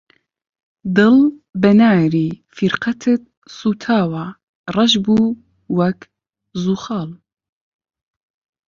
دڵ بە ناری فیرقەتت سووتاوە، ڕەش بوو وەک زوخاڵ